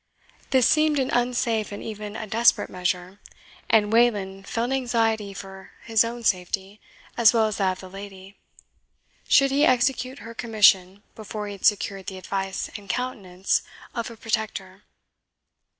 This seemed an unsafe and even a desperate measure, and Wayland felt anxiety for his own safety, as well as that of the lady, should he execute her commission before he had secured the advice and countenance of a protector.